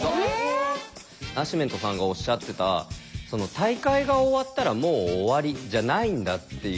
ナシメントさんがおっしゃってた大会が終わったらもう終わりじゃないんだっていう。